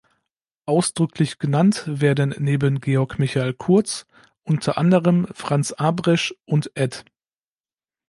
Ausdrücklich genannt werden neben Georg Michael Kurz unter anderem Franz Abresch und Ed.